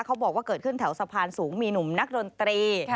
บอกว่าเกิดขึ้นแถวสะพานสูงมีหนุ่มนักดนตรี